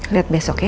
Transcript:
lihat besok ya